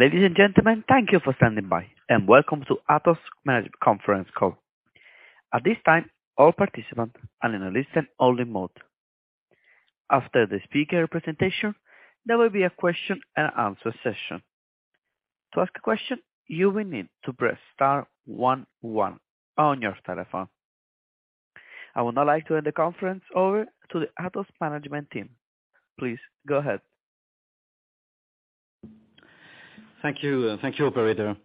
Ladies and gentlemen, thank you for standing by, and welcome to Atos Management Conference Call. At this time, all participants are in a listen only mode. After the speaker presentation, there will be a question and answer session. To ask a question, you will need to press star one one on your telephone. I would now like to hand the conference over to the Atos management team. Please go ahead. Thank you. Thank you, operator.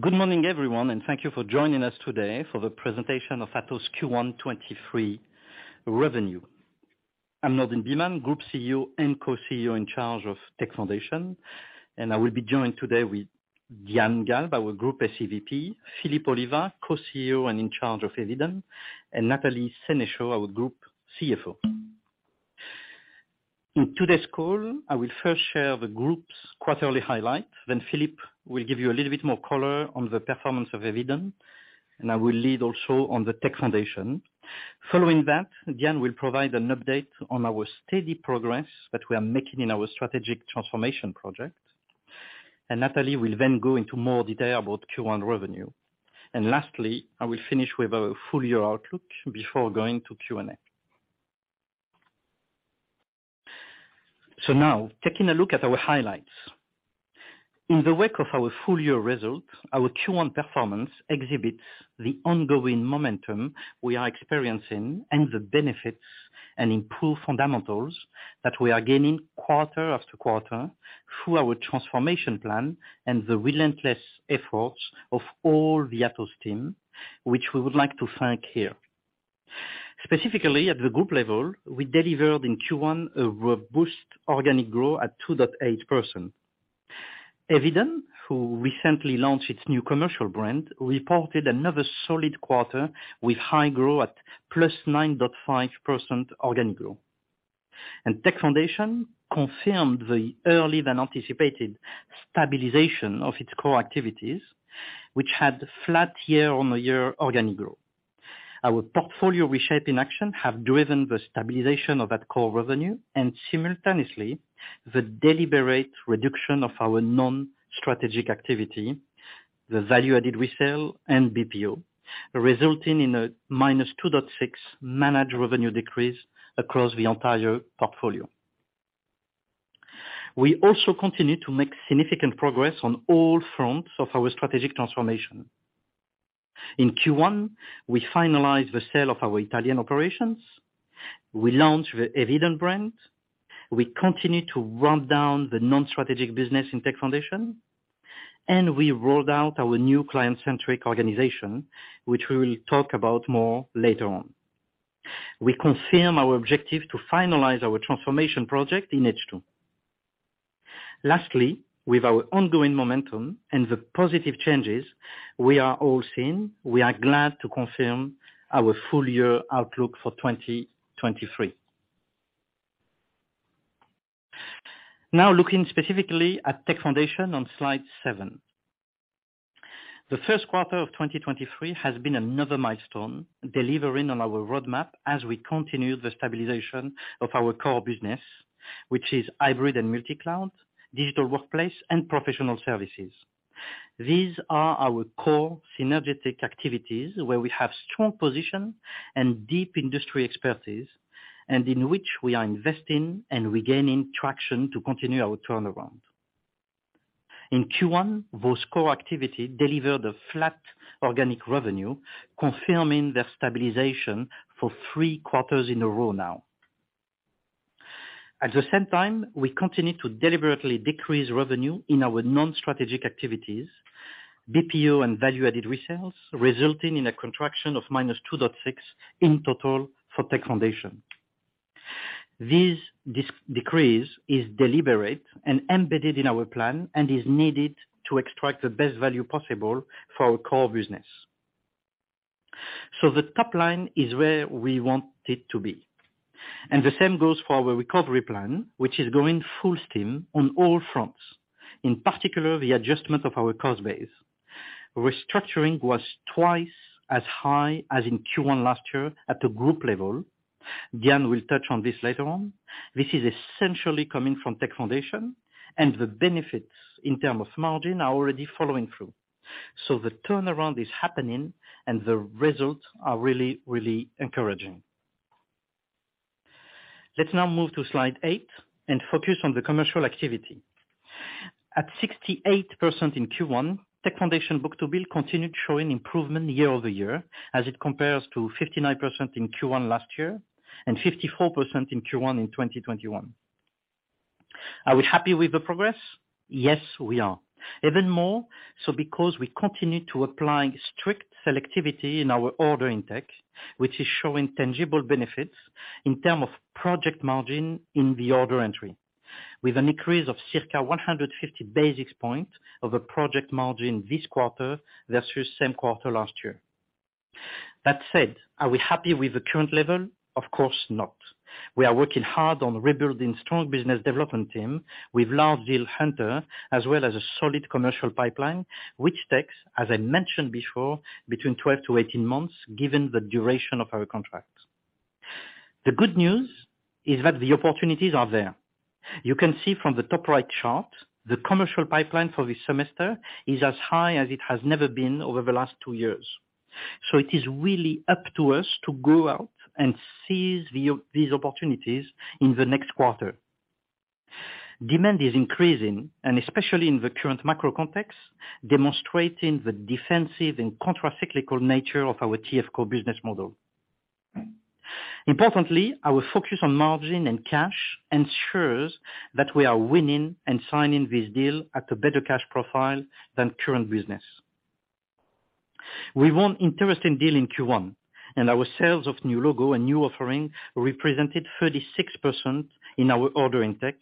Good morning, everyone, thank you for joining us today for the presentation of Atos Q1 2023 revenue. I'm Nourdine Bihmane, Group CEO and Co-CEO in charge of Tech Foundations, I will be joined today with Diane Galbe, our Group SEVP, Philippe Oliva, Co-CEO and in charge of Eviden, and Nathalie Senechault, our Group CFO. In today's call, I will first share the group's quarterly highlights. Philippe will give you a little bit more color on the performance of Eviden, I will lead also on the Tech Foundations. Following that, Yann will provide an update on our steady progress that we are making in our strategic transformation project. Nathalie will then go into more detail about Q1 revenue. Lastly, I will finish with our full year outlook before going to Q&A. Now taking a look at our highlights. In the wake of our full year results, our Q1 performance exhibits the ongoing momentum we are experiencing and the benefits and improved fundamentals that we are gaining quarter after quarter through our transformation plan and the relentless efforts of all the Atos team, which we would like to thank here. Specifically at the group level, we delivered in Q1 a robust organic growth at 2.8%. Eviden, who recently launched its new commercial brand, reported another solid quarter with high growth at +9.5% organic growth. Tech Foundations confirmed the earlier than anticipated stabilization of its core activities, which had flat year-on-year organic growth. Our portfolio reshaping action have driven the stabilization of that core revenue and simultaneously the deliberate reduction of our non-strategic activity, the value-added resale and BPO, resulting in a -2.6% managed revenue decrease across the entire portfolio. We also continue to make significant progress on all fronts of our strategic transformation. In Q1, we finalized the sale of our Italian operations. We launched the Eviden brand. We continue to run down the non-strategic business in Tech Foundations, we rolled out our new client centric organization, which we will talk about more later on. We confirm our objective to finalize our transformation project in H2. Lastly, with our ongoing momentum and the positive changes we are all seeing, we are glad to confirm our full year outlook for 2023. Looking specifically at Tech Foundations on slide 7. The Q1 of 2023 has been another milestone, delivering on our roadmap as we continue the stabilization of our core business, which is hybrid and multi-cloud, digital workplace and professional services. These are our core synergetic activities where we have strong position and deep industry expertise and in which we are investing and regaining traction to continue our turnaround. In Q1, those core activity delivered a flat organic revenue, confirming their stabilization for 3 quarters in a row now. At the same time, we continue to deliberately decrease revenue in our non-strategic activities, BPO and value-added resales, resulting in a contraction of -2.6% in total for Tech Foundations. This de-decrease is deliberate and embedded in our plan and is needed to extract the best value possible for our core business. The top line is where we want it to be, and the same goes for our recovery plan, which is going full steam on all fronts, in particular, the adjustment of our cost base. Restructuring was twice as high as in Q1 last year at the group level. Yann will touch on this later on. This is essentially coming from Tech Foundations, and the benefits in terms of margin are already following through. The turnaround is happening, and the results are really, really encouraging. Let's now move to slide 8 and focus on the commercial activity. At 68% in Q1, Tech Foundations book-to-bill continued showing improvement year-over-year as it compares to 59% in Q1 last year and 54% in Q1 in 2021. Are we happy with the progress? Yes, we are. Even more so because we continue to apply strict selectivity in our order intake, which is showing tangible benefits in terms of project margin in the order entry with an increase of circa 150 basis points of a project margin this quarter versus same quarter last year. Are we happy with the current level? Of course not. We are working hard on rebuilding strong business development team with large deal hunter as well as a solid commercial pipeline, which takes, as I mentioned before, between 12 to 18 months, given the duration of our contract. The good news is that the opportunities are there. You can see from the top right chart, the commercial pipeline for this semester is as high as it has never been over the last 2 years. it is really up to us to go out and seize these opportunities in the next quarter. Demand is increasing, especially in the current macro context, demonstrating the defensive and contracyclical nature of our TFCO business model. Importantly, our focus on margin and cash ensures that we are winning and signing this deal at a better cash profile than current business. We won interesting deal in Q1, our sales of new logo and new offering represented 36% in our order in tech,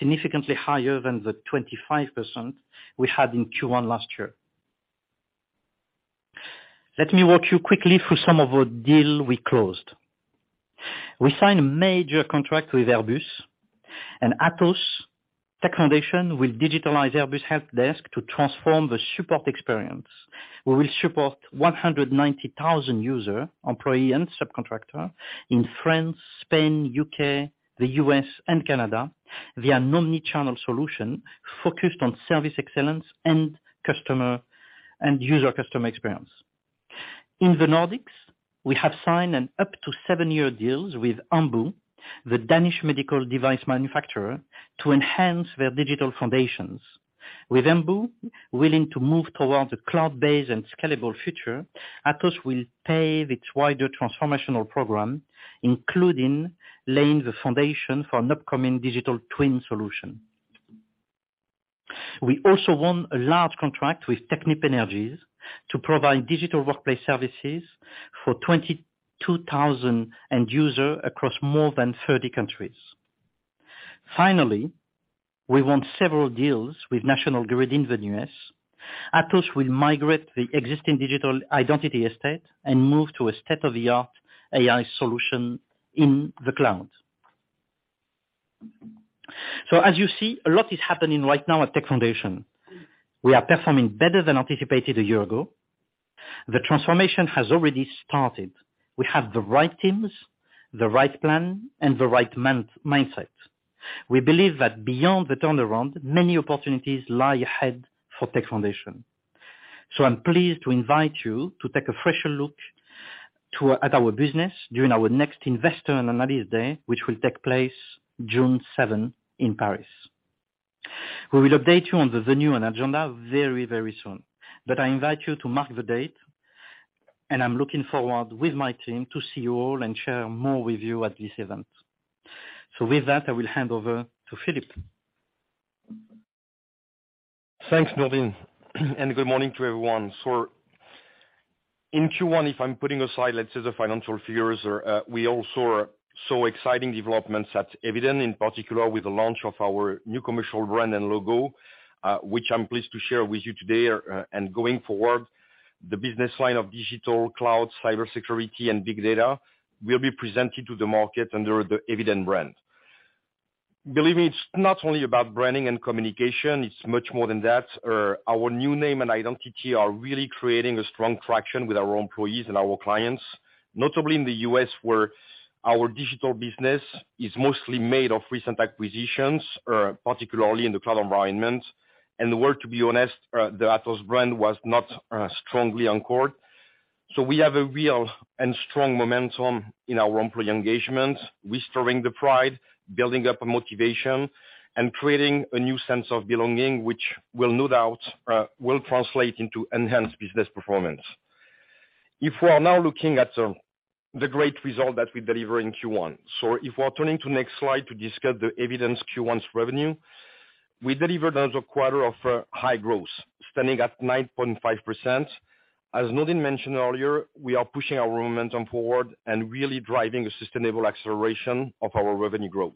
significantly higher than the 25% we had in Q1 last year. Let me walk you quickly through some of our deal we closed. We signed a major contract with Airbus and Atos. Tech Foundations will digitalize Airbus helpdesk to transform the support experience. We will support 190,000 user, employee and subcontractor in France, Spain, U.K., the U.S. and Canada via an omni-channel solution focused on service excellence and user customer experience. In the Nordics, we have signed an up to 7-year deals with Ambu, the Danish medical device manufacturer, to enhance their digital foundations. With Ambu willing to move towards a cloud-based and scalable future, Atos will pave its wider transformational program, including laying the foundation for an upcoming digital twin solution. We also won a large contract with Technip Energies to provide digital workplace services for 22,000 end user across more than 30 countries. We won several deals with National Grid in the U.S. Atos will migrate the existing digital identity estate and move to a state-of-the-art AI solution in the cloud. As you see, a lot is happening right now at Tech Foundations. We are performing better than anticipated a year ago. The transformation has already started. We have the right teams, the right plan, and the right mindset. I'm pleased to invite you to take a fresher look at our business during our next investor and analysis day, which will take place June 7 in Paris. We will update you on the venue and agenda very soon. I invite you to mark the date, and I'm looking forward with my team to see you all and share more with you at this event. With that, I will hand over to Philippe. Thanks, Nourdine, and good morning to everyone. In Q1, if I'm putting aside, let's say, the financial figures, we also saw exciting developments at Eviden, in particular with the launch of our new commercial brand and logo, which I'm pleased to share with you today. Going forward, the business line of digital, cloud, cybersecurity, and big data will be presented to the market under the Eviden brand. Believe me, it's not only about branding and communication, it's much more than that. Our new name and identity are really creating a strong traction with our employees and our clients, notably in the U.S., where our digital business is mostly made of recent acquisitions, particularly in the cloud environment. Where, to be honest, the Atos brand was not strongly anchored. We have a real and strong momentum in our employee engagement, restoring the pride, building up a motivation, and creating a new sense of belonging, which will no doubt will translate into enhanced business performance. We are now looking at the great result that we deliver in Q1. If we're turning to next slide to discuss the Eviden's Q1's revenue, we delivered another quarter of high growth, standing at 9.5%. As Nourdine mentioned earlier, we are pushing our momentum forward and really driving a sustainable acceleration of our revenue growth.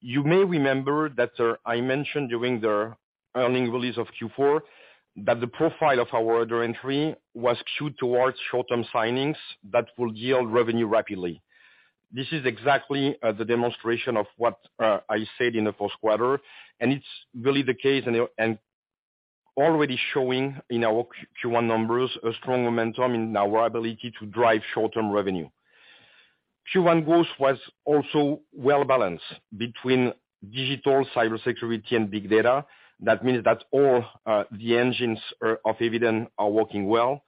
You may remember that I mentioned during the earning release of Q4 that the profile of our order entry was skewed towards short-term signings that will yield revenue rapidly. This is exactly the demonstration of what I said in the Q4, and it's really the case and already showing in our Q1 numbers a strong momentum in our ability to drive short-term revenue. Q1 growth was also well-balanced between digital, cybersecurity, and big data. That means that all the engines are, of Eviden are working well.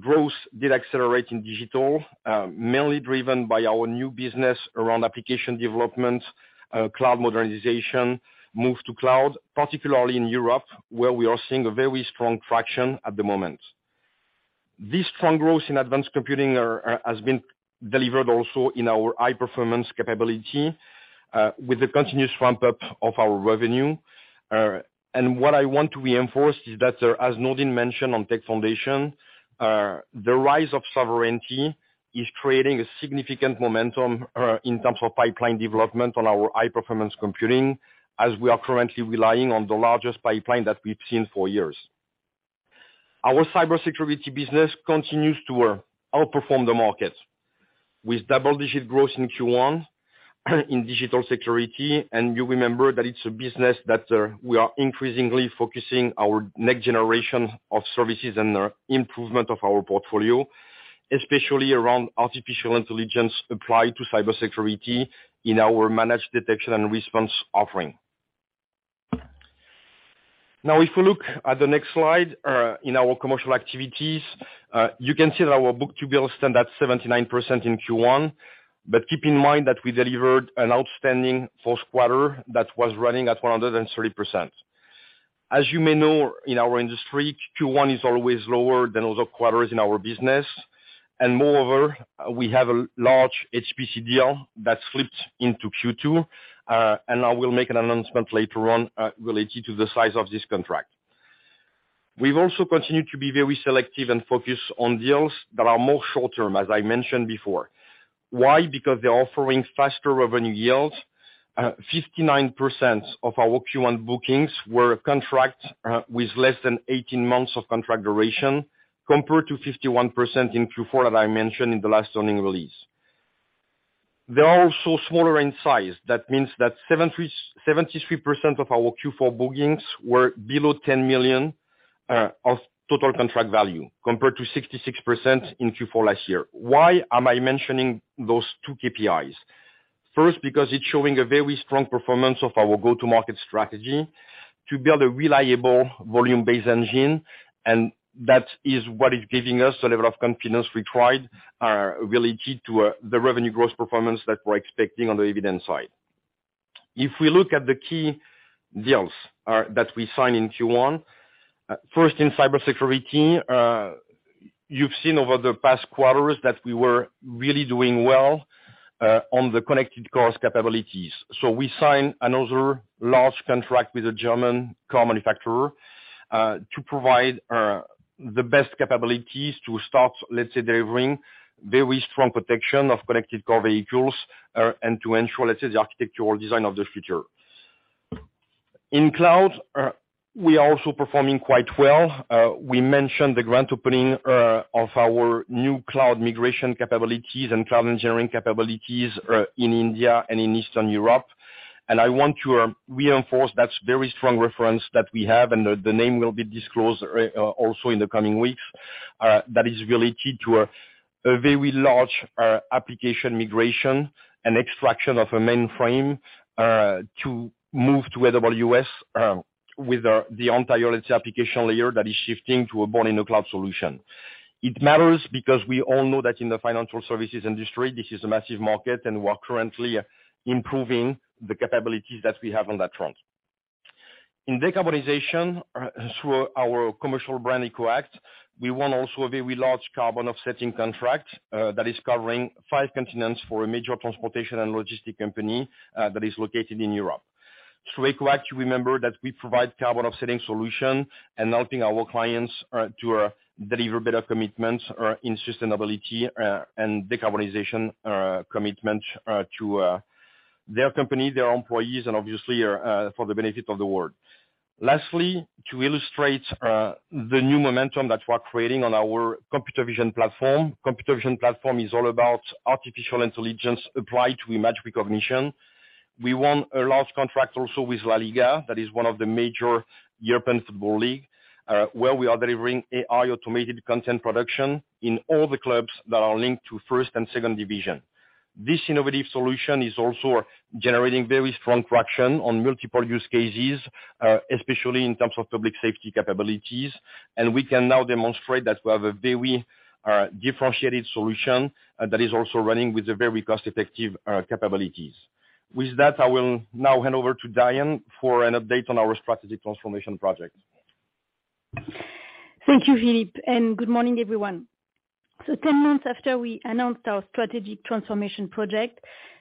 Growth did accelerate in digital, mainly driven by our new business around application development, cloud modernization, move to cloud, particularly in Europe, where we are seeing a very strong traction at the moment. This strong growth in advanced computing are, has been delivered also in our high-performance capability, with the continuous ramp-up of our revenue. What I want to reinforce is that, as Nourdine mentioned on Tech Foundations, the rise of sovereignty is creating a significant momentum in terms of pipeline development on our high-performance computing, as we are currently relying on the largest pipeline that we've seen for years. Our cybersecurity business continues to outperform the market with double-digit growth in Q1. In digital security, and you remember that it's a business that we are increasingly focusing our next generation of services and our improvement of our portfolio, especially around artificial intelligence applied to cybersecurity in our Managed Detection and Response offering. Now, if you look at the next slide, in our commercial activities, you can see that our book-to-bill stand at 79% in Q1. Keep in mind that we delivered an outstanding Q4 that was running at 130%. As you may know, in our industry, Q1 is always lower than other quarters in our business. Moreover, we have a large HPC deal that slipped into Q2. I will make an announcement later on related to the size of this contract. We've also continued to be very selective and focused on deals that are more short-term, as I mentioned before. Why? Because they're offering faster revenue yields. 59% of our Q1 bookings were a contract with less than 18 months of contract duration, compared to 51% in Q4, as I mentioned in the last earnings release. They are also smaller in size. That means that 73% of our Q4 bookings were below 10 million of total contract value, compared to 66% in Q4 last year. Why am I mentioning those two KPIs? First, because it's showing a very strong performance of our go-to-market strategy to build a reliable volume-based engine, and that is what is giving us the level of confidence we tried, are really key to the revenue growth performance that we're expecting on the Eviden side. If we look at the key deals that we signed in Q1. First in cybersecurity, you've seen over the past quarters that we were really doing well on the connected course capabilities. We signed another large contract with a German car manufacturer to provide the best capabilities to start, let's say, delivering very strong protection of connected car vehicles and to ensure, let's say, the architectural design of the future. In cloud, we are also performing quite well. We mentioned the grand opening of our new cloud migration capabilities and cloud engineering capabilities in India and in Eastern Europe. I want to reinforce that's very strong reference that we have, and the name will be disclosed also in the coming weeks. That is related to a very large application migration and extraction of a mainframe to move to AWS with the entire application layer that is shifting to a born-in-the-cloud solution. It matters because we all know that in the financial services industry, this is a massive market. We're currently improving the capabilities that we have on that front. In decarbonization, through our commercial brand EcoAct, we won also a very large carbon offsetting contract that is covering five continents for a major transportation and logistic company that is located in Europe. Through EcoAct, you remember that we provide carbon offsetting solution and helping our clients to deliver better commitments in sustainability and decarbonization commitment to their company, their employees, and obviously for the benefit of the world. Lastly, to illustrate the new momentum that we're creating on our Computer Vision Platform. Computer Vision Platform is all about artificial intelligence applied to image recognition. We won a large contract also with LliIGA, that is one of the major European football league, where we are delivering AI automated content production in all the clubs that are linked to first and second division. This innovative solution is also generating very strong traction on multiple use cases, especially in terms of public safety capabilities. We can now demonstrate that we have a very differentiated solution that is also running with a very cost-effective capabilities. With that, I will now hand over to Diane for an update on our strategy transformation project. Thank you, Philippe, and good morning everyone. 10 months after we announced our strategy transformation project,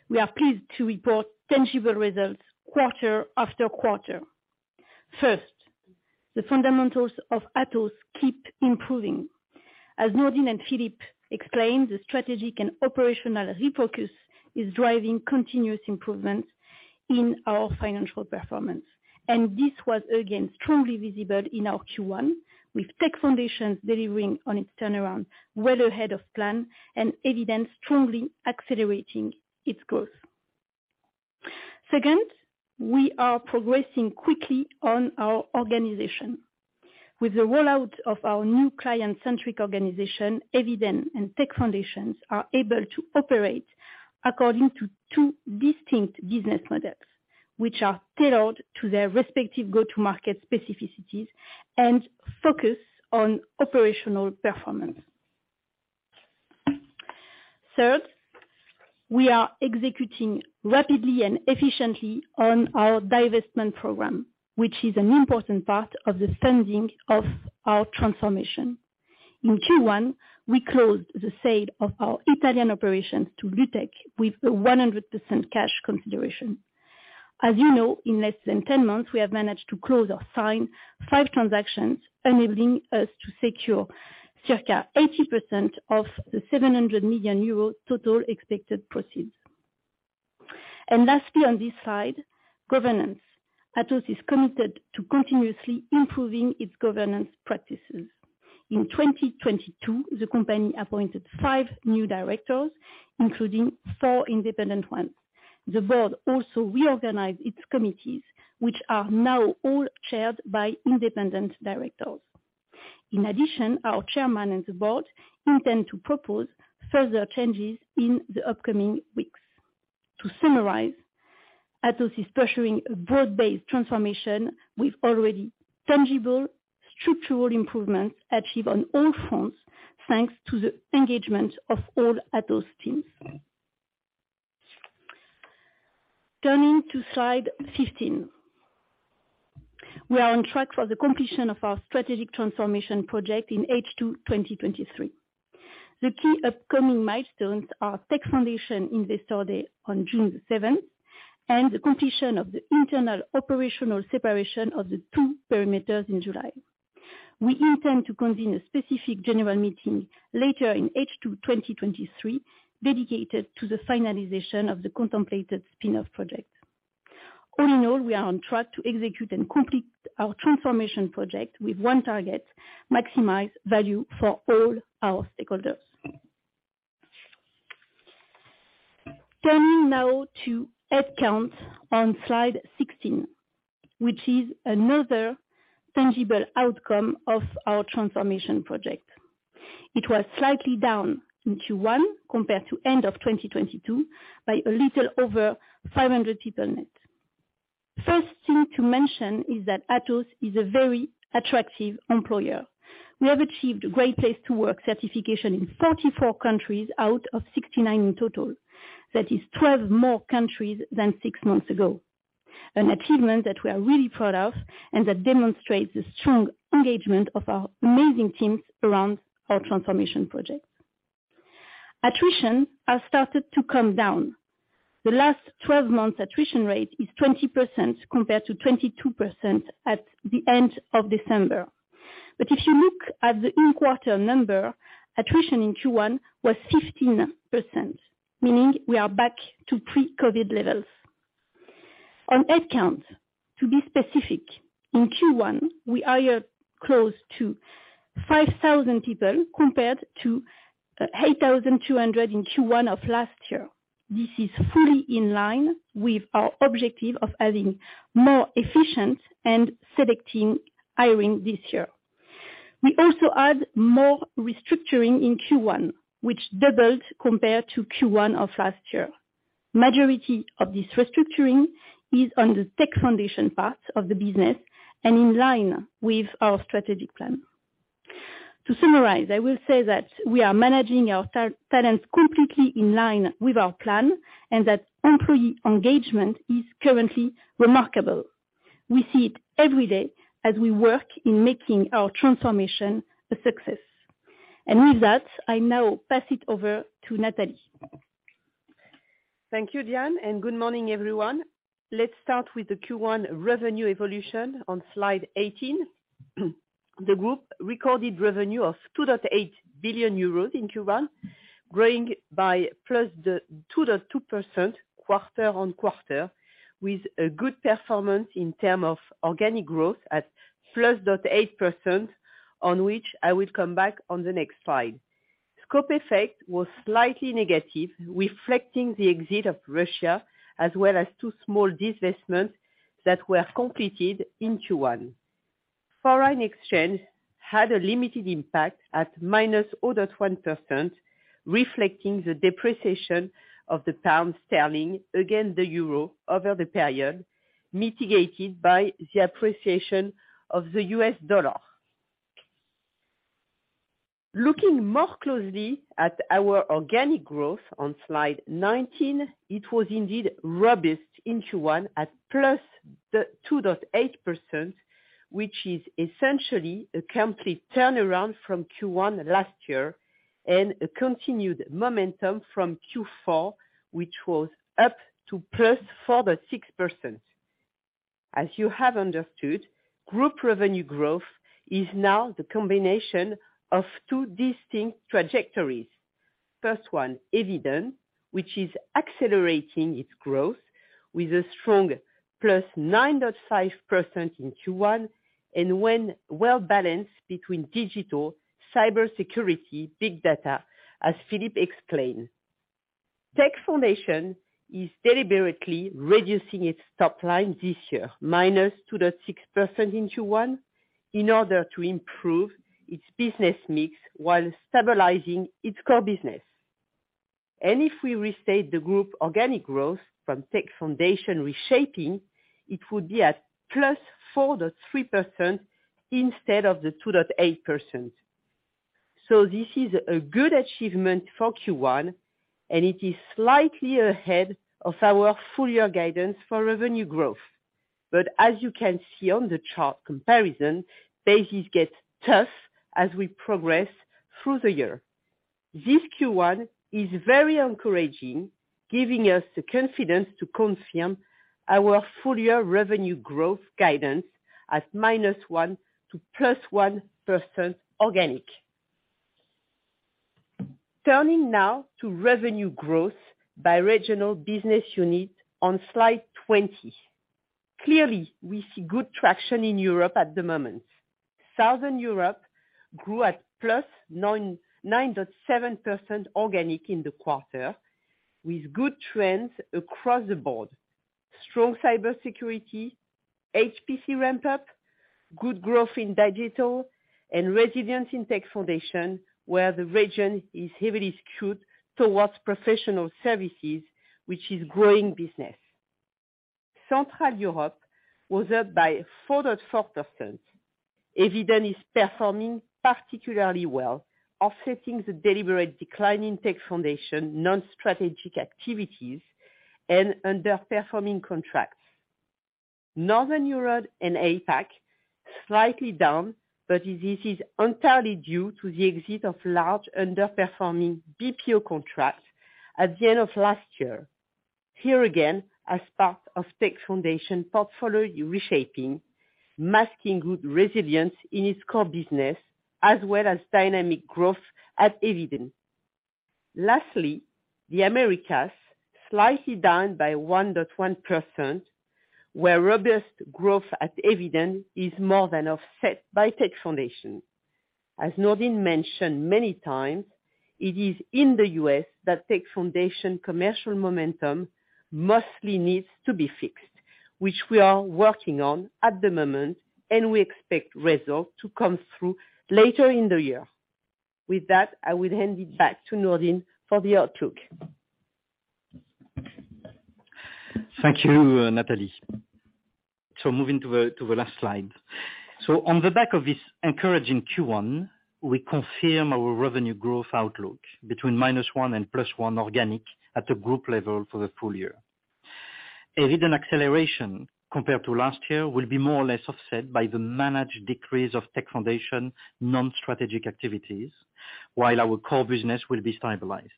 we are pleased to report tangible results quarter after quarter. First, the fundamentals of Atos keep improving. As Nourdine and Philippe explained, the strategic and operational refocus is driving continuous improvement in our financial performance. This was again strongly visible in our Q1, with Tech Foundations delivering on its turnaround well ahead of plan and Eviden strongly accelerating its growth. Second, we are progressing quickly on our organization. With the rollout of our new client-centric organization, Eviden and Tech Foundations are able to operate according to 2 distinct business models, which are tailored to their respective go-to-market specificities and focus on operational performance. Third, we are executing rapidly and efficiently on our divestment program, which is an important part of the funding of our transformation. In Q1, we closed the sale of our Italian operations to Lutech with a 100% cash consideration. As you know, in less than 10 months, we have managed to close or sign five transactions, enabling us to secure circa 80% of the 700 million euro total expected proceeds. Lastly, on this slide, governance. Atos is committed to continuously improving its governance practices. In 2022, the company appointed five new directors, including four independent ones. The board also reorganized its committees, which are now all chaired by independent directors. In addition, our chairman and the board intend to propose further changes in the upcoming weeks. To summarize, Atos is pursuing a broad-based transformation with already tangible structural improvements achieved on all fronts, thanks to the engagement of all Atos teams. Turning to slide 15. We are on track for the completion of our strategic transformation project in H2 2023. The key upcoming milestones are Tech Foundations Investor Day on June 7, and the completion of the internal operational separation of the two perimeters in July. We intend to convene a specific general meeting later in H2 2023 dedicated to the finalization of the contemplated spin-off project. All in all, we are on track to execute and complete our transformation project with one target, maximize value for all our stakeholders. Turning now to headcount on slide 16, which is another tangible outcome of our transformation project. It was slightly down in Q1 compared to end of 2022 by a little over 500 people net. First thing to mention is that Atos is a very attractive employer. We have achieved Great Place to Work certification in 44 countries out of 69 in total. That is 12 more countries than 6 months ago, an achievement that we are really proud of and that demonstrates the strong engagement of our amazing teams around our transformation project. Attrition has started to come down. The last 12 months attrition rate is 20% compared to 22% at the end of December. If you look at the in-quarter number, attrition in Q1 was 15%, meaning we are back to pre-COVID levels. On headcount, to be specific, in Q1, we hired close to 5,000 people compared to 8,200 in Q1 of last year. This is fully in line with our objective of having more efficient and selecting hiring this year. We also had more restructuring in Q1, which doubled compared to Q1 of last year. Majority of this restructuring is on the Tech Foundations part of the business and in line with our strategic plan. To summarize, I will say that we are managing our talents completely in line with our plan, and that employee engagement is currently remarkable. We see it every day as we work in making our transformation a success. With that, I now pass it over to Nathalie. Thank you, Diane. Good morning, everyone. Let's start with the Q1 revenue evolution on slide 18. The group recorded revenue of 2.8 billion euros in Q1, growing by +2.2% quarter-on-quarter, with a good performance in terms of organic growth at +0.8%, on which I will come back on the next slide. Scope effect was slightly negative, reflecting the exit of Russia, as well as 2 small divestments that were completed in Q1. Foreign exchange had a limited impact at -0.1%, reflecting the depreciation of the pound sterling against the euro over the period, mitigated by the appreciation of the US dollar. Looking more closely at our organic growth on slide 19, it was indeed robust in Q1 at +2.8%, which is essentially a complete turnaround from Q1 last year and a continued momentum from Q4, which was up to +4.6%. You have understood, group revenue growth is now the combination of two distinct trajectories. First one, Eviden, which is accelerating its growth with a strong +9.5% in Q1 and when well-balanced between digital, cybersecurity, big data, as Philippe explained. Tech Foundations is deliberately reducing its top line this year, -2.6% in Q1, in order to improve its business mix while stabilizing its core business. If we restate the group organic growth from Tech Foundations reshaping, it would be at +4.3% instead of the 2.8%. This is a good achievement for Q1, and it is slightly ahead of our full year guidance for revenue growth. As you can see on the chart comparison, bases get tough as we progress through the year. This Q1 is very encouraging, giving us the confidence to confirm our full year revenue growth guidance at -1% to +1% organic. Turning now to revenue growth by regional business unit on slide 20. Clearly, we see good traction in Europe at the moment. Southern Europe grew at +9.7% organic in the quarter, with good trends across the board. Strong cybersecurity, HPC ramp up, good growth in digital and resilience in Tech Foundations, where the region is heavily skewed towards professional services, which is growing business. Central Europe was up by 4.4%. Eviden is performing particularly well, offsetting the deliberate decline in Tech Foundations non-strategic activities and underperforming contracts. Northern Europe and APAC slightly down. This is entirely due to the exit of large underperforming BPO contracts at the end of last year. Here again, as part of Tech Foundations portfolio reshaping, masking good resilience in its core business as well as dynamic growth at Eviden. Lastly, the Americas slightly down by 1.1%, where robust growth at Eviden is more than offset by Tech Foundations. As Nourdine mentioned many times, it is in the U.S. that Tech Foundations commercial momentum mostly needs to be fixed, which we are working on at the moment, and we expect results to come through later in the year. With that, I will hand it back to Nourdine for the outlook. Thank you, Nathalie. Moving to the last slide. On the back of this encouraging Q1, we confirm our revenue growth outlook between -1% and +1% organic at the group level for the full year. Eviden acceleration compared to last year will be more or less offset by the managed decrease of Tech Foundations non-strategic activities while our core business will be stabilized.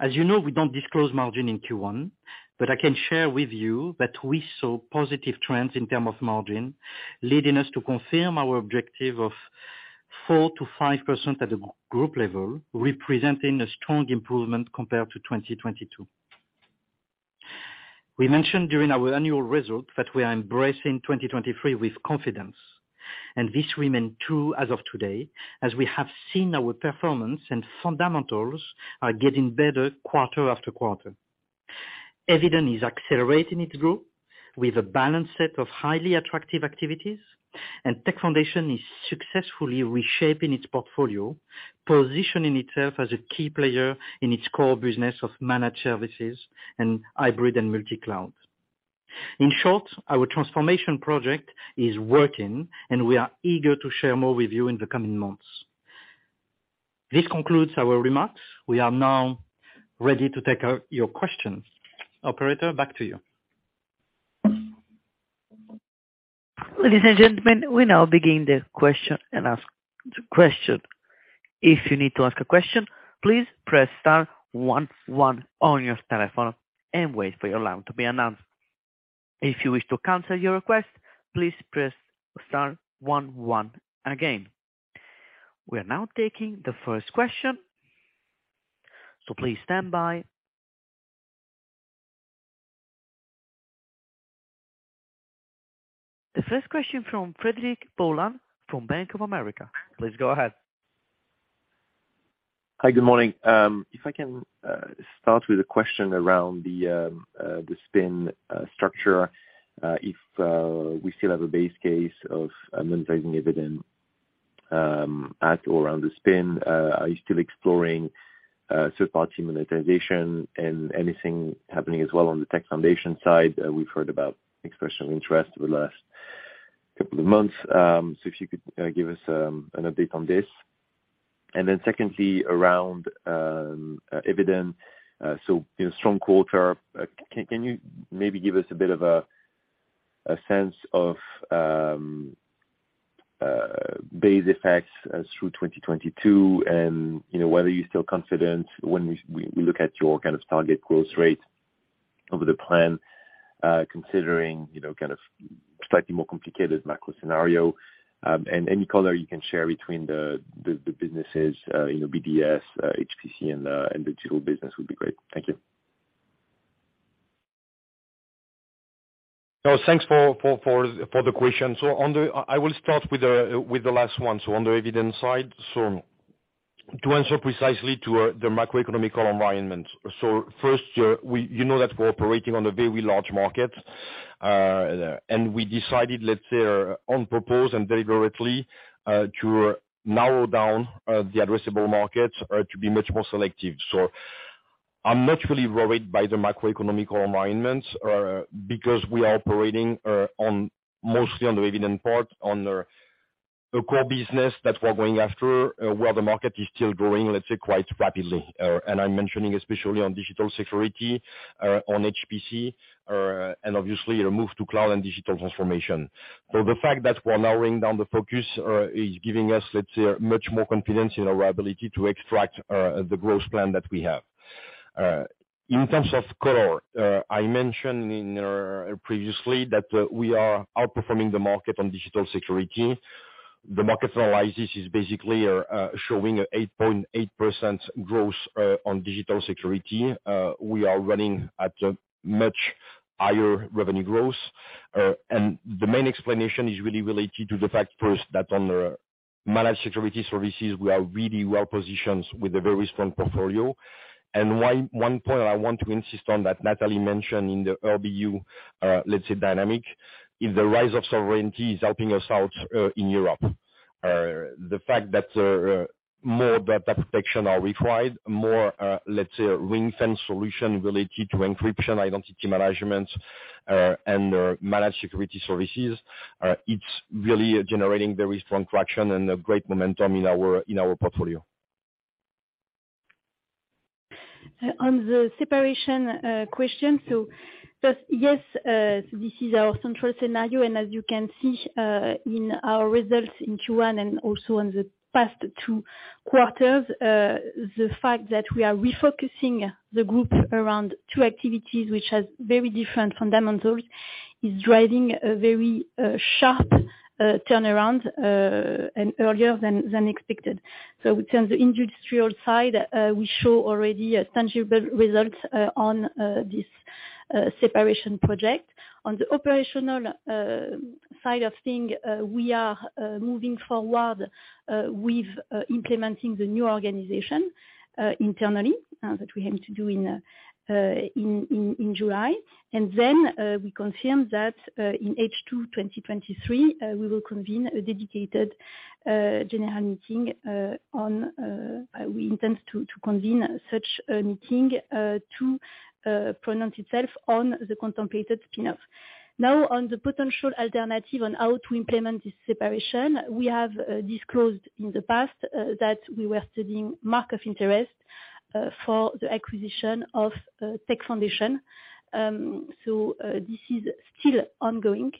As you know, we don't disclose margin in Q1, but I can share with you that we saw positive trends in term of margin, leading us to confirm our objective of 4% to 5% at the group level, representing a strong improvement compared to 2022. We mentioned during our annual result that we are embracing 2023 with confidence, and this remain true as of today, as we have seen our performance and fundamentals are getting better quarter after quarter. Eviden is accelerating its growth with a balanced set of highly attractive activities, and Tech Foundations is successfully reshaping its portfolio, positioning itself as a key player in its core business of managed services and hybrid and multi-cloud. In short, our transformation project is working, and we are eager to share more with you in the coming months. This concludes our remarks. We are now ready to take your questions. Operator, back to you. Ladies and gentlemen, we now begin the question and answer question. If you need to ask a question, please press star one one on your telephone and wait for your line to be announced. If you wish to cancel your request, please press star one one again. We are now taking the first question, so please stand by. The first question from Frederic Boulan of Bank of America. Please go ahead. Hi, good morning. If I can start with a question around the spin structure, if we still have a base case of monetizing Eviden at or around the spin, are you still exploring third-party monetization and anything happening as well on the Tech Foundations side? We've heard about expression of interest over the last couple of months. If you could give us an update on this. Secondly, around Eviden. you know, strong quarter, can you maybe give us a bit of a sense of base effects through 2022? you know, whether you're still confident when we look at your kind of target growth rate over the plan, considering, you know, kind of slightly more complicated macro scenario. Any color you can share between the businesses, you know, BDS, HPC and digital business would be great. Thank you. No, thanks for the question. On the... I will start with the last one. On the Eviden side. To answer precisely to the macroeconomic environment. First, you know that we're operating on a very large market, and we decided, let's say, on purpose and deliberately, to narrow down the addressable market, to be much more selective. I'm not really worried by the macroeconomic environment, because we are operating on mostly on the Eviden part on the core business that we're going after, where the market is still growing, let's say, quite rapidly. And I'm mentioning especially on digital security, on HPC, and obviously the move to cloud and digital transformation. The fact that we're narrowing down the focus is giving us much more confidence in our ability to extract the growth plan that we have. In terms of color, I mentioned previously that we are outperforming the market on digital security. The market analysis is showing 8.8% growth on digital security. We are running at a much higher revenue growth. The main explanation is really related to the fact first that on Managed Security Services, we are really well positioned with a very strong portfolio. One point I want to insist on that Nathalie mentioned in the RBU dynamic, is the rise of sovereignty is helping us out in Europe. The fact that more data protection are required, more, let's say ring-fence solution related to encryption, identity management, and Managed Security Services, it's really generating very strong traction and a great momentum in our, in our portfolio. On the separation question. First, yes, this is our central scenario. As you can see, in our results in Q1 and also on the past two quarters, the fact that we are refocusing the group around two activities which has very different fundamentals is driving a very sharp turnaround and earlier than expected. In terms of industrial side, we show already a tangible result on this separation project. On the operational side of things, we are moving forward with implementing the new organization internally that we aim to do in July. We confirm that in H2 2023, we will convene a dedicated general meeting. We intend to convene such a meeting to pronounce itself on the contemplated spin-off. On the potential alternative on how to implement this separation, we have disclosed in the past that we were studying mark of interest for the acquisition of Tech Foundations. This is still ongoing,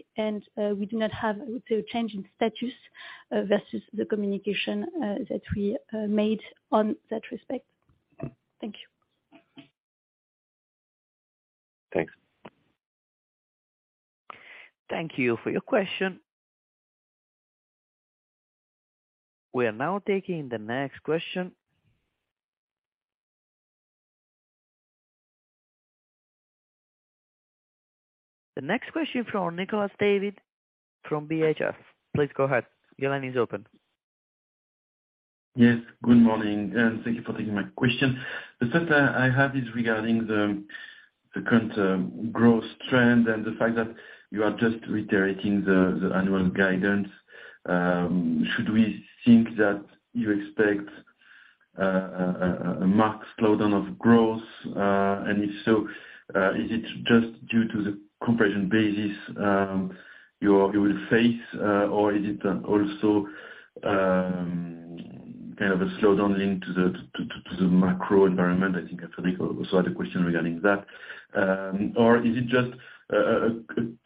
we do not have, I would say, a change in status versus the communication that we made on that respect. Thank you. Thanks. Thank you for your question. We are now taking the next question. The next question from Nicolas David from BHF. Please go ahead. Your line is open. Yes, good morning, and thank you for taking my question. The first I have is regarding the current growth trend and the fact that you are just reiterating the annual guidance. Should we think that you expect a marked slowdown of growth? If so, is it just due to the compression basis you will face? Is it also kind of a slowdown linked to the macro environment? I think Frederic also had a question regarding that. Is it just a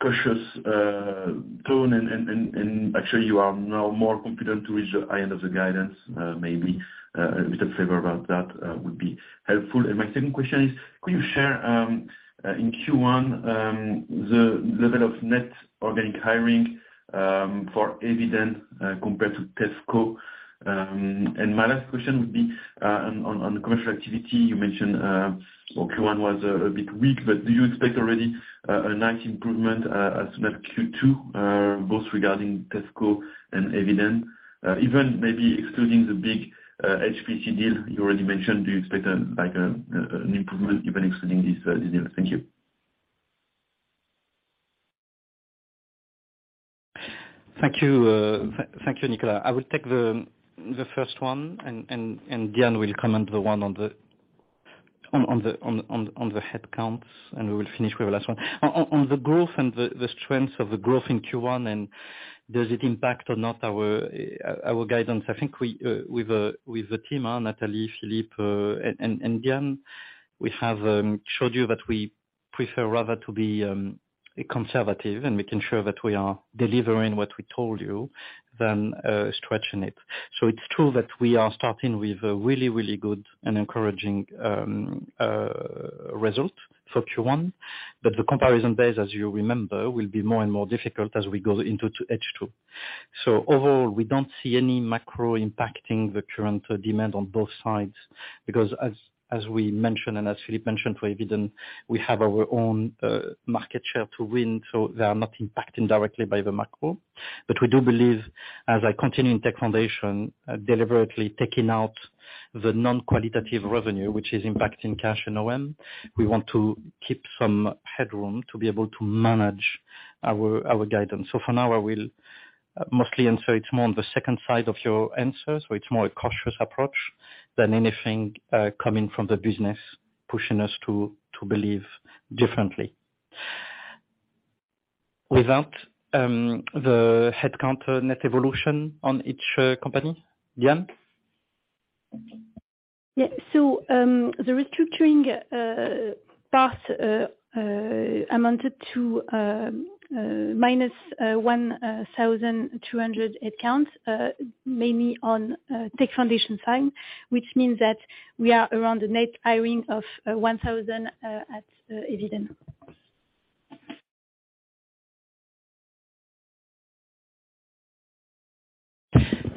cautious tone and actually you are now more confident to reach the high end of the guidance, maybe? A little flavor about that would be helpful. My second question is, could you share in Q1, the level of net organic hiring for Eviden, compared to TFCO? My last question would be on, on the commercial activity you mentioned, well Q1 was a bit weak, but do you expect already a nice improvement as of Q2, both regarding TFCO and Eviden? Even maybe excluding the big HPC deal you already mentioned, do you expect like an improvement even excluding this deal? Thank you. Thank you. Thank you, Nicolas. I will take the first one and Diane will comment the one on the headcounts, and we will finish with the last one. On the growth and the strength of the growth in Q1, and does it impact or not our guidance? I think we with the team Nathalie, Philippe, and Diane, we have showed you that we prefer rather to be conservative and making sure that we are delivering what we told you than stretching it. It's true that we are starting with a really, really good and encouraging result for Q1, but the comparison base, as you remember, will be more and more difficult as we go into H2. Overall, we don't see any macro impacting the current demand on both sides because as we mentioned, and as Philippe mentioned for Eviden, we have our own market share to win, so they are not impacted directly by the macro. We do believe, as I continue in Tech Foundations, deliberately taking out the non-qualitative revenue which is impacting cash in OM, we want to keep some headroom to be able to manage our guidance. For now, I will mostly answer it more on the second side of your answer. It's more a cautious approach than anything coming from the business pushing us to believe differently. Without the headcount net evolution on each company. Diane? Yeah. The restructuring, Pass, amounted to minus 1,200 headcounts, mainly on Tech Foundations side, which means that we are around the net hiring of 1,000 at Eviden.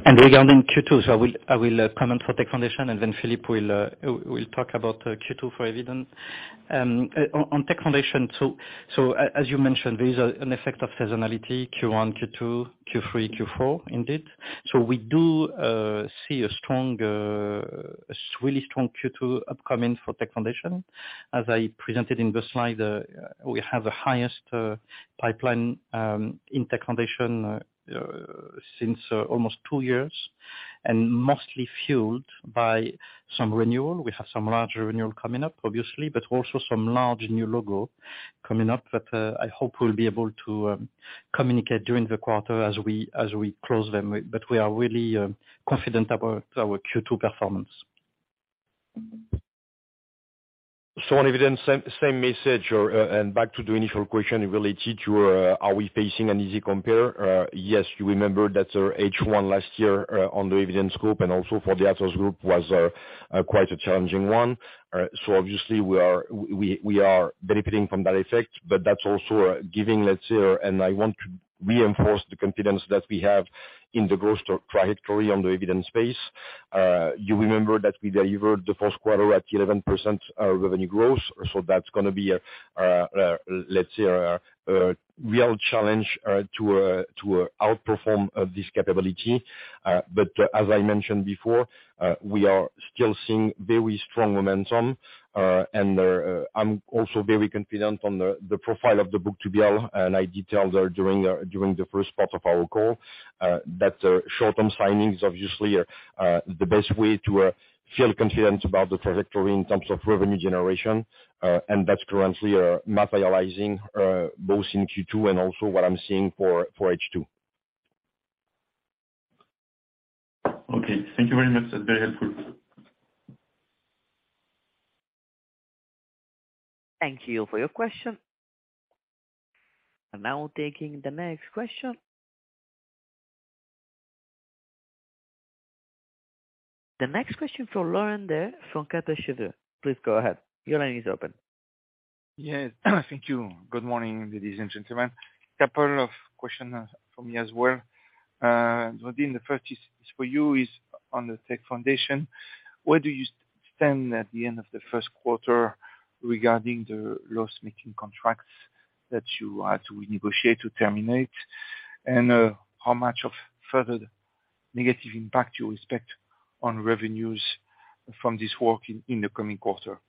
Regarding Q2, so I will comment for Tech Foundations, and then Philippe will talk about Q2 for Eviden. On Tech Foundations, as you mentioned, there is an effect of seasonality, Q1, Q2, Q3, Q4, indeed. We do see a strong, a really strong Q2 upcoming for Tech Foundations. As I presented in the slide, we have the highest pipeline in Tech Foundations since almost two years, and mostly fueled by some renewal. We have some large renewal coming up obviously, but also some large new logo coming up that I hope we'll be able to communicate during the quarter as we close them. We are really confident about our Q2 performance. On Eviden, same message. Back to the initial question related to, are we facing an easy compare? Yes. You remember that our H1 last year, on the Eviden scope and also for the Atos group was quite a challenging one. Obviously we are benefiting from that effect, but that's also giving, let's say, and I want to reinforce the confidence that we have in the growth trajectory on the Eviden space. You remember that we delivered the Q1 at 11% revenue growth, so that's gonna be a, let's say a real challenge to outperform this capability. As I mentioned before, we are still seeing very strong momentum. I'm also very confident on the profile of the book-to-bill, and I detailed during the first part of our call. Short-term signings obviously are the best way to feel confident about the trajectory in terms of revenue generation. That's currently materializing both in Q2 and also what I'm seeing for H2. Okay. Thank you very much. That's very helpful. Thank you for your question. Now taking the next question. The next question from Laurent Daure from Kepler Cheuvreux. Please go ahead. Your line is open. Yes. Thank you. Good morning, ladies and gentlemen. Couple of question from me as well. Rodolphe, the first is for you, is on the Tech Foundations. Where do you stand at the end of the Q1 regarding the loss-making contracts that you had to renegotiate to terminate? How much of further negative impact you expect on revenues from this work in the coming quarter?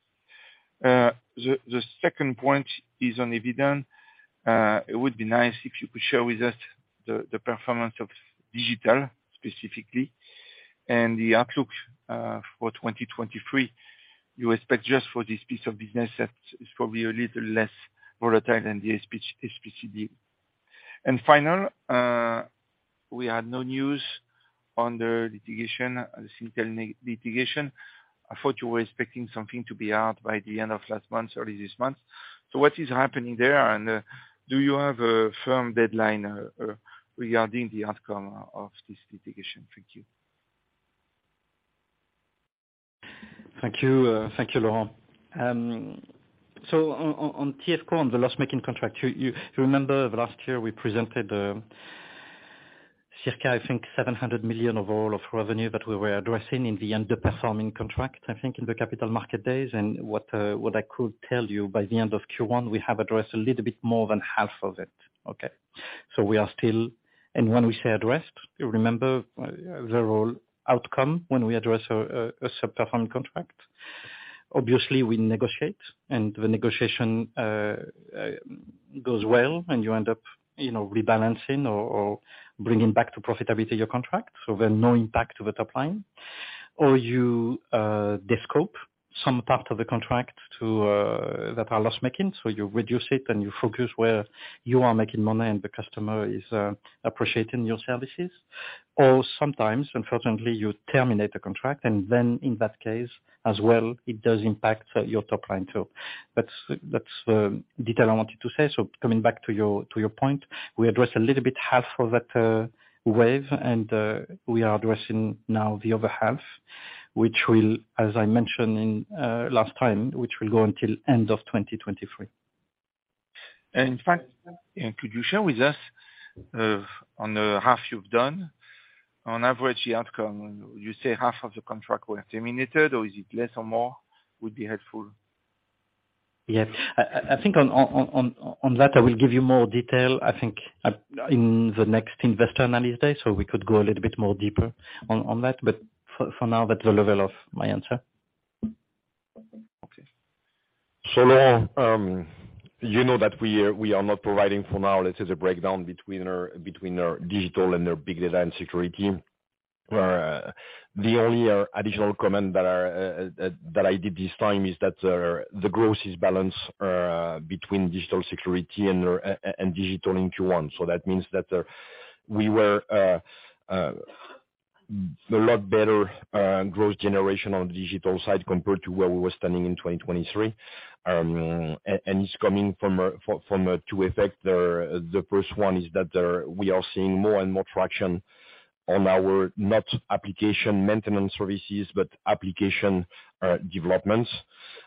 The second point is on Eviden. It would be nice if you could share with us the performance of digital specifically and the outlook for 2023. You expect just for this piece of business that is probably a little less volatile than the SPCD. Final, we had no news on the litigation, the Syntel litigation. I thought you were expecting something to be out by the end of last month or this month. What is happening there, and do you have a firm deadline regarding the outcome of this litigation? Thank you. Thank you. Thank you, Laurent. On TF current, the loss-making contract, you remember last year we presented, circa, I think 700 million overall of revenue that we were addressing in the underperforming contract, I think, in the capital market days. What I could tell you by the end of Q1, we have addressed a little bit more than half of it. Okay? So we are still... When we say addressed, you remember the role outcome when we address a sub-performed contract. Obviously, we negotiate and the negotiation goes well and you end up, you know, rebalancing or bringing back to profitability your contract, so there's no impact to the top line. You descope some part of the contract to that are loss-making, so you reduce it and you focus where you are making money and the customer is appreciating your services. Sometimes, unfortunately, you terminate the contract and then in that case as well, it does impact your top line too. That's detail I wanted to say. Coming back to your point, we address a little bit half of that wave and we are addressing now the other half, which will, as I mentioned in last time, which will go until end of 2023. In fact, and could you share with us, on the half you've done, on average the outcome when you say half of the contract were terminated or is it less or more? Would be helpful. Yes. I think on that I will give you more detail, I think, in the next Investor Analysis Day. We could go a little bit more deeper on that. For now, that's the level of my answer. Okay. Laurent, you know that we are not providing for now, let's say the breakdown between our digital and our Big Data & Security. The only additional comment that I did this time is that the growth is balanced between digital security and our digital in Q1. That means that we were. A lot better growth generation on digital side compared to where we were standing in 2023. It's coming from a, from a, two effect. The first one is that we are seeing more and more traction on our net application maintenance services, but application developments.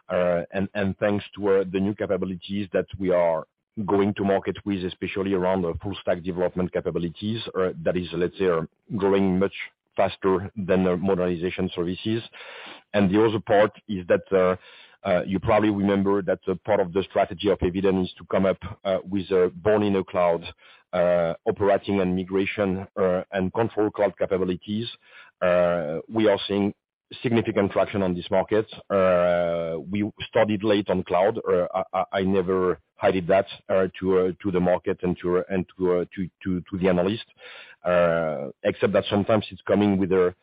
Thanks to the new capabilities that we are going to market with, especially around the full stack development capabilities. That is, let's say, are growing much faster than the modernization services. The other part is that you probably remember that part of the strategy of Eviden is to come up with born-in-the-cloud operating and migration and control cloud capabilities. We are seeing significant traction on this market. We started late on cloud. I never hid that to the market and to the analyst. Except that sometimes it's coming with a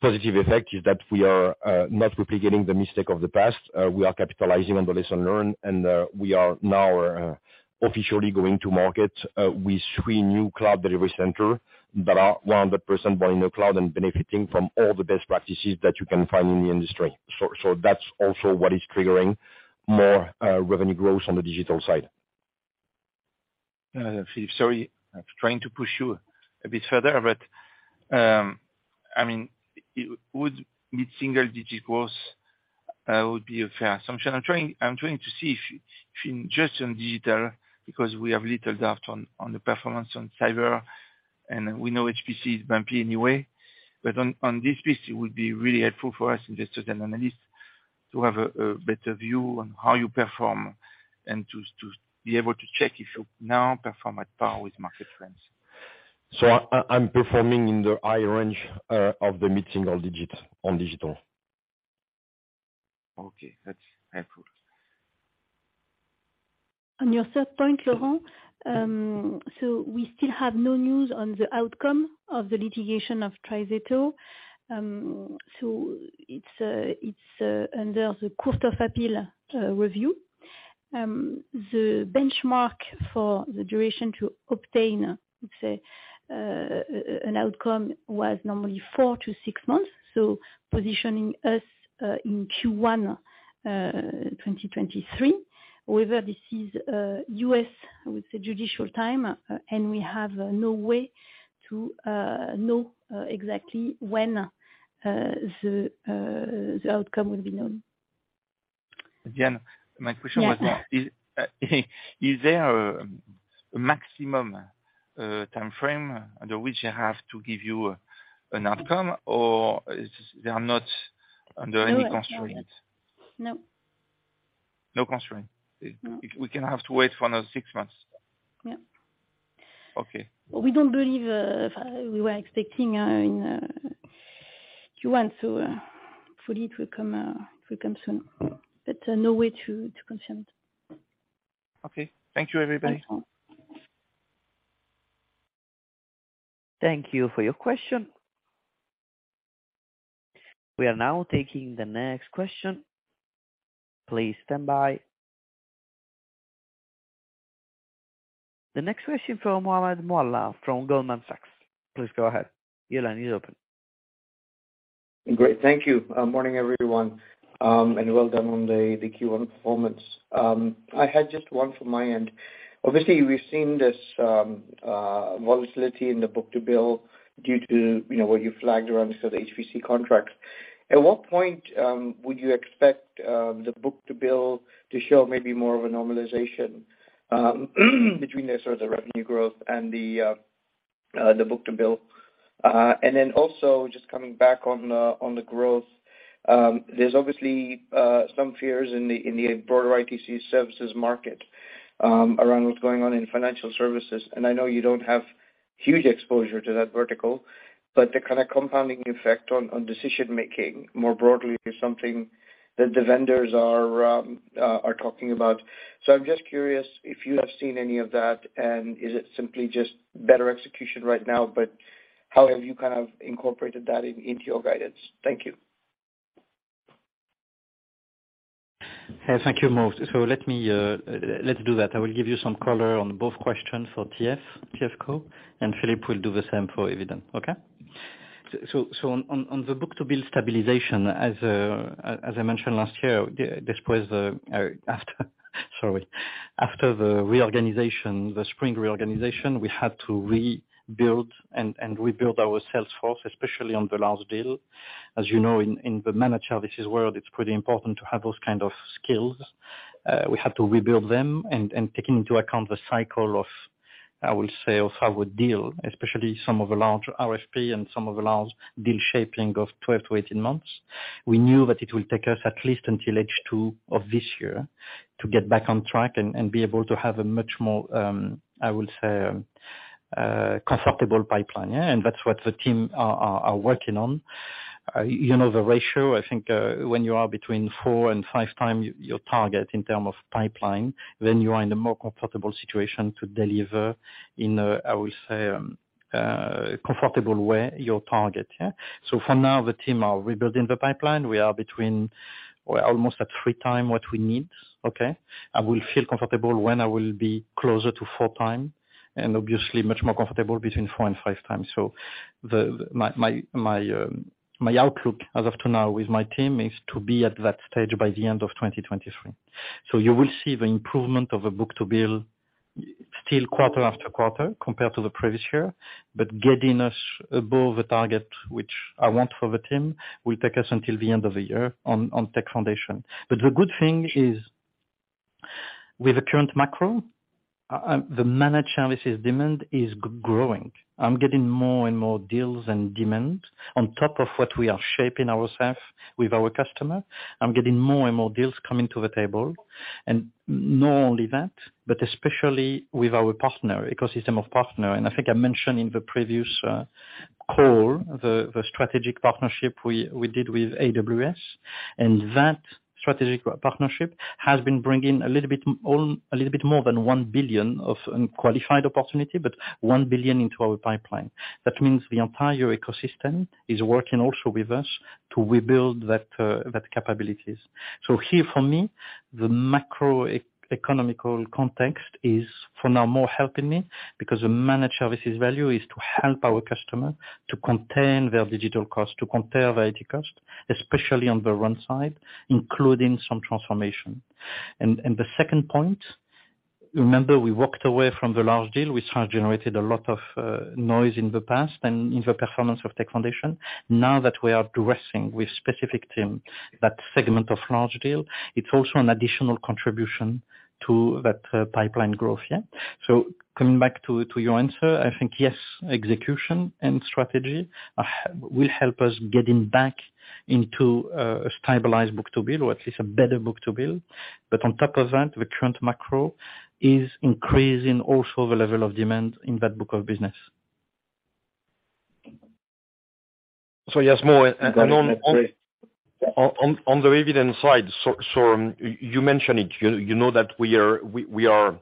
positive effect is that we are not replicating the mistake of the past. We are capitalizing on the lesson learned, and we are now officially going to market with three new cloud delivery center that are 100% born-in-the-cloud and benefiting from all the best practices that you can find in the industry. That's also what is triggering more revenue growth on the digital side. Philippe, sorry, I'm trying to push you a bit further, but, I mean, it would be mid-single digit growth, would be a fair assumption. I'm trying to see if in just on digital, because we have little doubt on the performance on cyber, and we know HPC is bumpy anyway. On this piece, it would be really helpful for us investors and analysts to have a better view on how you perform and to be able to check if you now perform at par with market trends. I'm performing in the high range of the mid-single digit on digital. Okay. That's helpful. On your third point, Laurent, we still have no news on the outcome of the litigation of TriZetto. It's under the Court of Appeal review. The benchmark for the duration to obtain, let's say, an outcome was normally four to 6 months, positioning us in Q1 2023. However, this is U.S., I would say, judicial time, and we have no way to know exactly when the outcome will be known. Again, my question was. Yeah. Is there a maximum timeframe under which they have to give you an outcome or they are not under any constraint? No. No constraint? No. We can have to wait for another 6 months. Yeah. Okay. We don't believe, we were expecting, in Q1. Hopefully it will come, it will come soon. No way to confirm. Okay. Thank you, everybody. That's all. Thank you for your question. We are now taking the next question. Please stand by. The next question from Mohammed Moawalla from Goldman Sachs. Please go ahead. Your line is open. Great. Thank you. Morning, everyone, and well done on the Q1 performance. I had just one from my end. Obviously, we've seen this volatility in the book-to-bill due to, you know, what you flagged around some of the HPC contracts. At what point would you expect the book-to-bill to show maybe more of a normalization between the sort of the revenue growth and the book-to-bill? Then also just coming back on on the growth. There's obviously some fears in the broader ICT services market around what's going on in financial services. I know you don't have huge exposure to that vertical, but the kind of compounding effect on on decision-making more broadly is something that the vendors are talking about. I'm just curious if you have seen any of that, and is it simply just better execution right now, but how have you kind of incorporated that in, into your guidance? Thank you. Yeah. Thank you, Mohammed. Let me do that. I will give you some color on both questions for TF Co, and Philippe will do the same for Eviden. Okay? So on the book-to-bill stabilization, as I mentioned last year, this was the. After Sorry. After the reorganization, the spring reorganization, we had to rebuild and rebuild our sales force, especially on the large deal. As you know, in the managed services world, it's pretty important to have those kind of skills. We have to rebuild them and taking into account the cycle of, I will say, of our deal, especially some of the large RFP and some of the large deal shaping of 12 to 18 months. We knew that it will take us at least until H2 of this year to get back on track and be able to have a much more, I will say comfortable pipeline. Yeah. That's what the team are working on. You know, the ratio, I think, when you are between 4 and 5 times your target in term of pipeline, then you are in a more comfortable situation to deliver in a, I will say comfortable way your target. Yeah. For now, the team are rebuilding the pipeline. We are almost at 3 times what we need, okay. I will feel comfortable when I will be closer to 4 times, and obviously much more comfortable between 4 and 5 times. My outlook as of to now with my team is to be at that stage by the end of 2023. You will see the improvement of a book-to-bill still quarter after quarter compared to the previous year, but getting us above the target which I want for the team, will take us until the end of the year on Tech Foundations. The good thing is with the current macro, the managed services demand is growing. I'm getting more and more deals and demand on top of what we are shaping ourself with our customer. I'm getting more and more deals coming to the table. Not only that, but especially with our partner, ecosystem of partner. I think I mentioned in the previous call, the strategic partnership we did with AWS, that strategic partnership has been bringing a little bit more than 1 billion of unqualified opportunity, but 1 billion into our pipeline. That means the entire ecosystem is working also with us to rebuild that capabilities. Here for me, the macro economical context is for now more helping me because the managed services value is to help our customer to contain their digital cost, to contain their IT cost, especially on the run side, including some transformation. The second point, remember we walked away from the large deal which has generated a lot of noise in the past and in the performance of Tech Foundations. Now that we are addressing with specific team that segment of large deal, it's also an additional contribution to that, pipeline growth. Coming back to your answer, I think yes, execution and strategy, will help us getting back into a stabilized book-to-bill or at least a better book-to-bill. On top of that, the current macro is increasing also the level of demand in that book of business. Yes, more on the Eviden side. You mentioned it, you know that we are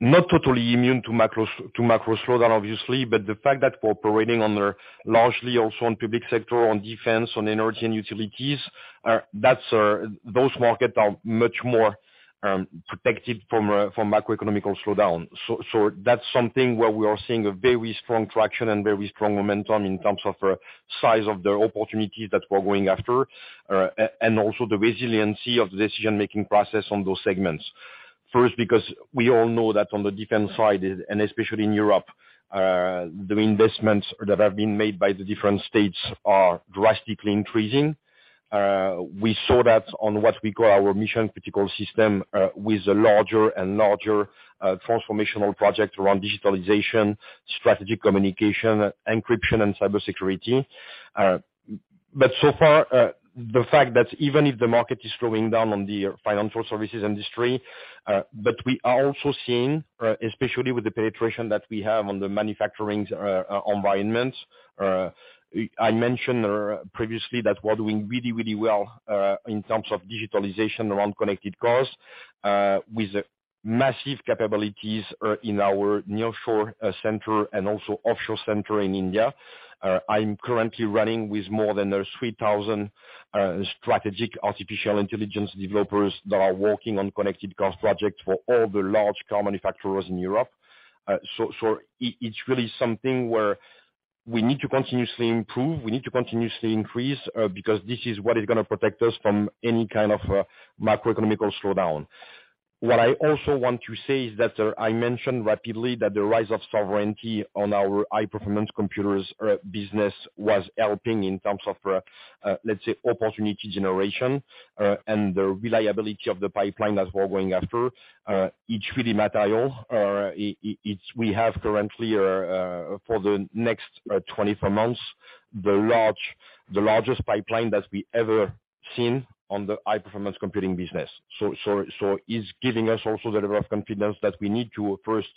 not totally immune to macro slowdown obviously, but the fact that we're operating on the largely also on public sector, on defense, on energy and utilities, that's those markets are much more protected from macroeconomic slowdown. That's something where we are seeing a very strong traction and very strong momentum in terms of size of the opportunities that we're going after. And also the resiliency of the decision-making process on those segments. First, because we all know that on the defense side, and especially in Europe, the investments that have been made by the different states are drastically increasing. We saw that on what we call our Mission Critical Systems with a larger and larger transformational project around digitalization, strategic communication, encryption and cybersecurity. So far, the fact that even if the market is slowing down on the financial services industry, but we are also seeing especially with the penetration that we have on the manufacturing environment. I mentioned previously that we're doing really, really well in terms of digitalization around connected cars with massive capabilities in our nearshore center and also offshore center in India. I'm currently running with more than 3,000 strategic artificial intelligence developers that are working on connected cars projects for all the large car manufacturers in Europe. It's really something where we need to continuously improve, we need to continuously increase, because this is what is gonna protect us from any kind of macroeconomic slowdown. What I also want to say is that I mentioned rapidly that the rise of sovereignty on our high-performance computers business was helping in terms of let's say opportunity generation and the reliability of the pipeline that we're going after. It's really material. It's we have currently for the next 24 months, the largest pipeline that we ever seen on the high-performance computing business. It's giving us also the level of confidence that we need to first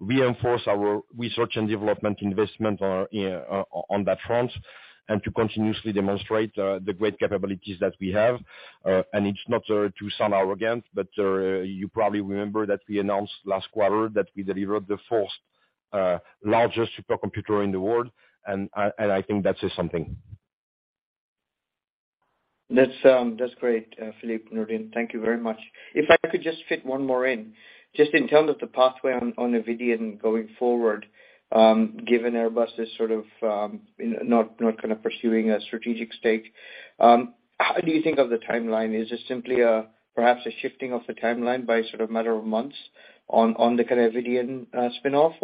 reinforce our research and development investment on that front, and to continuously demonstrate the great capabilities that we have. It's not to sound arrogant, but you probably remember that we announced last quarter that we delivered the first, largest supercomputer in the world. I think that says something. That's, that's great, Philippe, Nourdine. Thank you very much. If I could just fit one more in, just in terms of the pathway on the Eviden going forward, given Airbus is sort of, not kind of pursuing a strategic stake, how do you think of the timeline? Is this simply a, perhaps a shifting of the timeline by sort of matter of months on the kind of Eviden spinoff?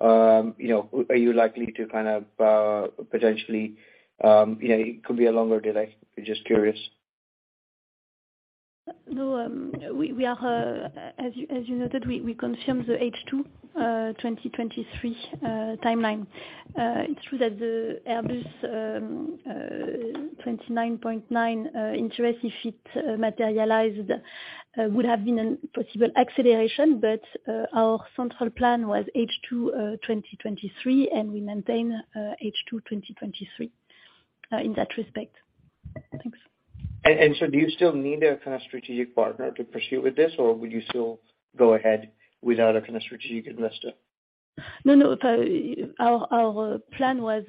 You know, are you likely to kind of, potentially, you know, it could be a longer delay. Just curious. No, we are, as you noted, we confirm the H2 2023 timeline. It's true that the Airbus 29.9 interest if it materialized would have been a possible acceleration. Our central plan was H2 2023, and we maintain H2 2023. In that respect. Thanks. Do you still need a kind of strategic partner to pursue with this? Or would you still go ahead without a kind of strategic investor? No, no. Our plan was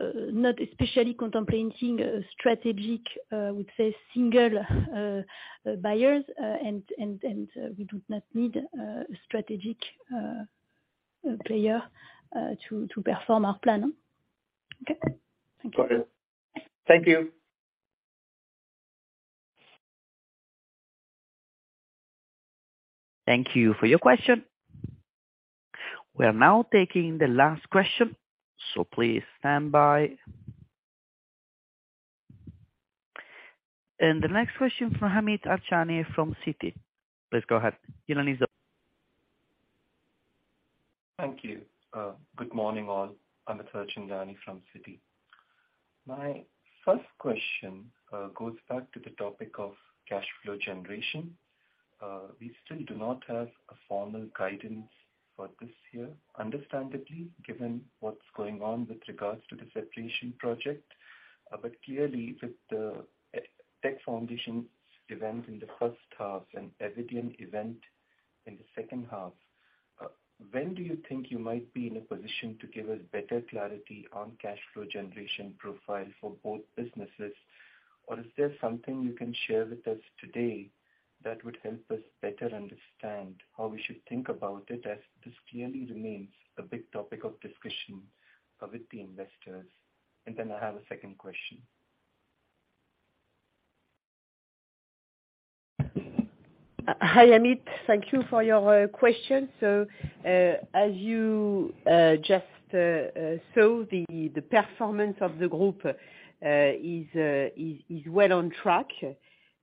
not especially contemplating a strategic, I would say single, buyers. We do not need a strategic player to perform our plan. Okay. Got it. Thank you. Thank you for your question. We are now taking the last question, so please stand by. The next question from Amit Harchandani from Citi. Please go ahead. Your line is open. Thank you. Good morning all. I'm Amit Harchandani from Citi. My first question goes back to the topic of cash flow generation. We still do not have a formal guidance for this year, understandably, given what's going on with regards to the separation project. Clearly, with the Tech Foundations' event in the H1 and Eviden event in the H2, when do you think you might be in a position to give us better clarity on cash flow generation profile for both businesses? Is there something you can share with us today that would help us better understand how we should think about it, as this clearly remains a big topic of discussion with the investors? I have a second question. Hi, Amit. Thank you for your question. As you just saw, the performance of the group is well on track.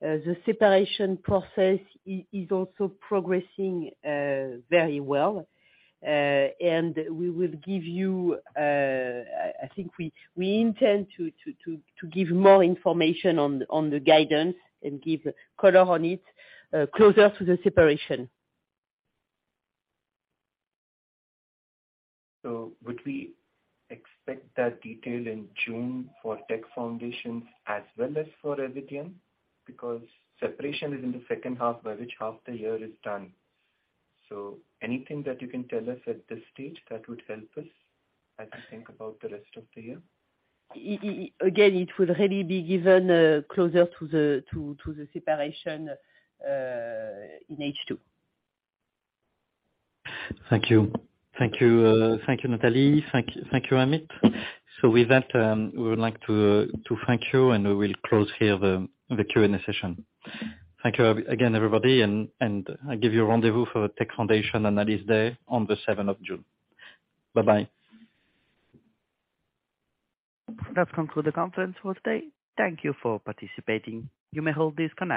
The separation process is also progressing very well. We will give you. I think we intend to give more information on the guidance and give color on it closer to the separation. Would we expect that detail in June for Tech Foundations as well as for Eviden? Separation is in the H2, by which half the year is done. Anything that you can tell us at this stage that would help us, as we think about the rest of the year. Again, it will really be given closer to the separation in H2. Thank you. Thank you, Nathalie. Thank you, Amit. With that, we would like to thank you, and we will close here the Q&A session. Thank you again, everybody, and I give you a rendezvous for Tech Foundations Analyst Day on the seventh of June. Bye-bye. That concludes the conference for today. Thank Thank you for participating. You may hold disconnect.